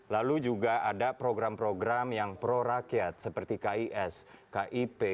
lalu juga ada program program yang pro rakyat seperti kis kip